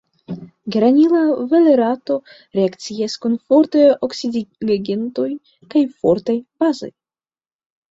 Geranila valerato reakcias kun fortaj oksidigagentoj kaj fortaj bazoj.